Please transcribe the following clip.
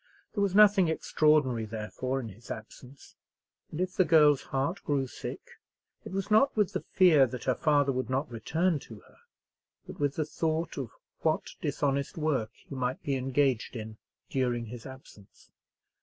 There was nothing extraordinary, therefore, in his absence; and if the girl's heart grew sick, it was not with the fear that her father would not return to her; but with the thought of what dishonest work he might be engaged in during his absence.